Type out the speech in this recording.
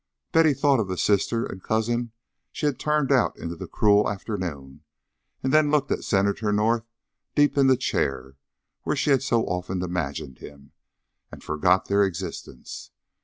Betty thought of the sister and cousin she had turned out into the cruel afternoon, and then looked at Senator North deep in the chair where she had so often imagined him, and forgot their existence.